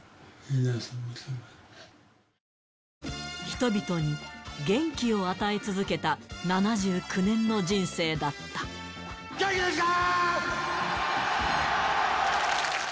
人々に元気を与え続けた７９年の人生だった元気ですか‼